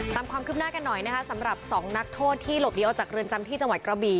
ตามความคืบหน้ากันหน่อยนะคะสำหรับสองนักโทษที่หลบหนีออกจากเรือนจำที่จังหวัดกระบี่